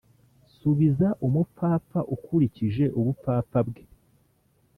Subiza umupfapfa ukurikije ubupfapfa bwe